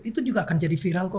itu juga akan jadi viral kok